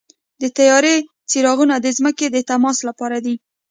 د طیارې څرخونه د ځمکې د تماس لپاره دي.